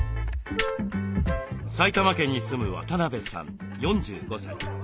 埼玉県に住む渡邉さん４５歳。